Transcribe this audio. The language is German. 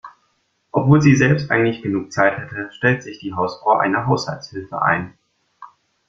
Obwohl sie selbst eigentlich genug Zeit hätte, stellt sich die Hausfrau eine Haushaltshilfe ein.